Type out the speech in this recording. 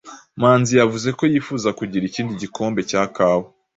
Manzi yavuze ko yifuza kugira ikindi gikombe cya kawa.